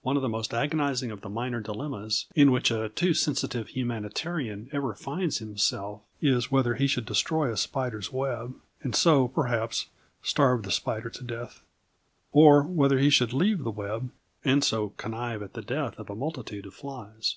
One of the most agonising of the minor dilemmas in which a too sensitive humanitarian ever finds himself is whether he should destroy a spider's web, and so, perhaps, starve the spider to death, or whether he should leave the web, and so connive at the death of a multitude of flies.